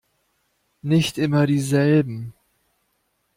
Nicht immer dieselben!